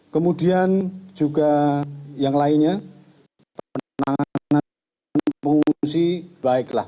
kemudian juga yang lainnya penanganan pengungsi baiklah